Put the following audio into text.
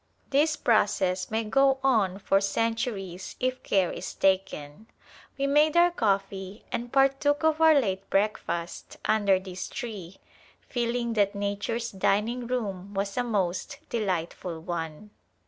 This process may go on for centuries If care Is taken. We made our coffee and partook of our late breakfast under this tree, feeling that nature's dining room was a most delightful one.